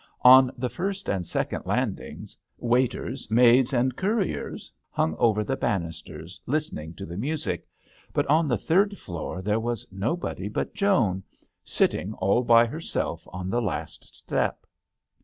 On the first and the second landings waiters, maids, and couriers hung over the bannisters listening to the music, but on the third floor there was nobody but Joan, sit ting all by herself on the last step.